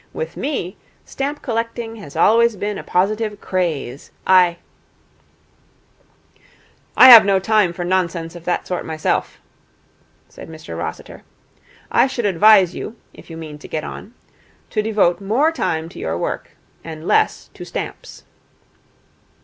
With me, stamp collecting has always been a positive craze. I ' 'I have no time for nonsense of that sort myself,' said Mr Rossiter. 'I should advise you, if you mean to get on, to devote more time to your work and less to stamps.'